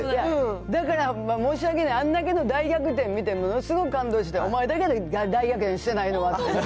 だから申し訳ない、あんだけの大逆転見てものすごい感動して、お前だけや、大逆転してないのは。